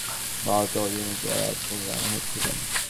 বলো তো, ওদিন কীভাবে এক চোখে কানা হয়েছিলেন?